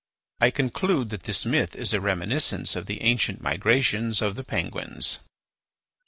I conclude that this myth is a reminiscence of the ancient migrations of the Penguins."